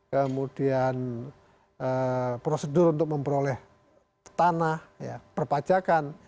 kemudian prosedur untuk memperoleh tanah perpajakan